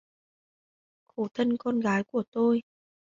Khổ thân con gái của tôi